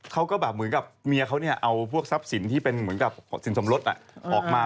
เขาก็แบบเหมือนกับเมียเขาเนี่ยเอาพวกทรัพย์สินที่เป็นเหมือนกับสินสมรสออกมา